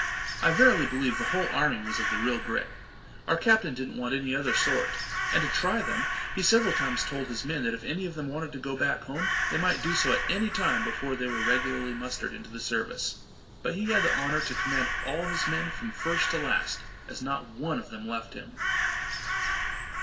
I verily believe the whole army was of the real grit. Our captain didn't want any other sort; and to try them he several times told his men, that if any of them wanted to go back home, they might do so at any time, before they were regularly mustered into the service. But he had the honour to command all his men from first to last, as not one of them left him.